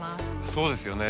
そうですよね。